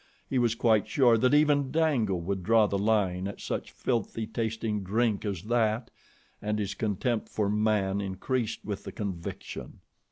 He was quite sure that even Dango would draw the line at such filthy tasting drink as that, and his contempt for man increased with the conviction.